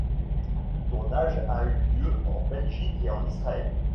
Le tournage a eu lieu en Belgique et en Israël.